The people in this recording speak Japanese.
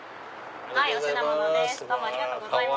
お品物です。